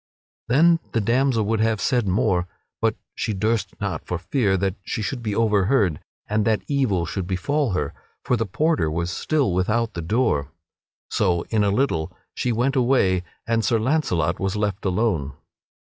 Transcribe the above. Then the damsel would have said more, but she durst not for fear that she should be overheard and that evil should befall her, for the porter was still without the door. So in a little she went away and Sir Launcelot was left alone.